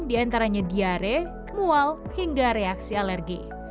diantaranya diare mual hingga reaksi alergi